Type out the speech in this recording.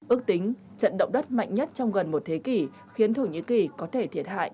ước tính trận động đất mạnh nhất trong gần một thế kỷ khiến thổ nhĩ kỳ có thể thiệt hại